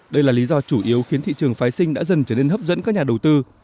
đây là lý do chủ yếu khiến thị trường phái sinh đã dần trở nên hấp dẫn các nhà đầu tư